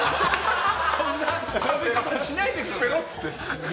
そんな食べ方しないでください。